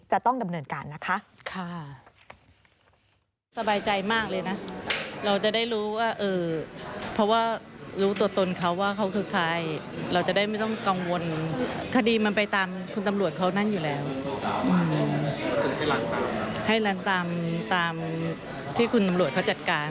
จะต้องดำเนินการนะคะ